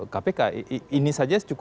kpk ini saja